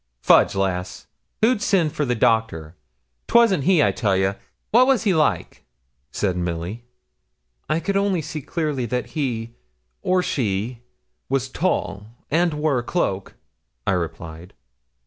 'Fudge, lass! who'd send for the doctor? 'Twasn't he, I tell you. What was he like?' said Milly. 'I could only see clearly that he, or she, was tall, and wore a cloak,' I replied.